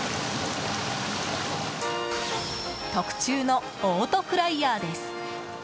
特注のオートフライヤーです。